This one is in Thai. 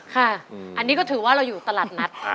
ค่ะอันนี้ก็ถือว่าเราอยู่ตลาดนัด